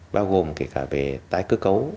bao gồm kể cả về tái cơ cấu